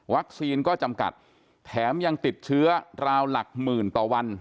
ก็จำกัดแถมยังติดเชื้อราวหลักหมื่นต่อวัน